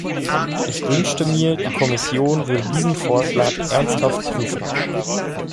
Ich wünschte mir, die Kommission würde diesen Vorschlag ernsthaft prüfen.